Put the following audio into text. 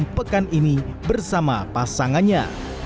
di pekan ini bersama pasangannya